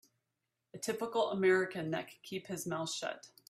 Typical American that can keep his mouth shut.